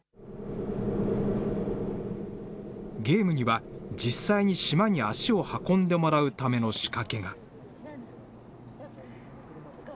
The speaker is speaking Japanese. ゲームには、実際に島に足を運んでもらうための仕掛けが。